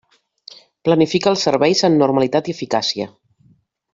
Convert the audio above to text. Planifica els serveis amb normalitat i eficàcia.